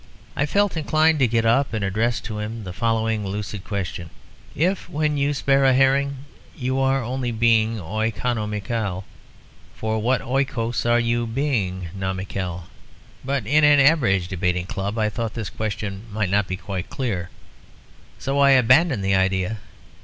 I felt inclined to get up and address to him the following lucid question: "If when you spare a herring you are only being oikonomikal, for what oikos are you being nomikal?" But in an average debating club I thought this question might not be quite clear; so I abandoned the idea.